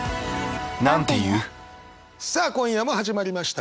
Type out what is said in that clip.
さあ今夜も始まりました。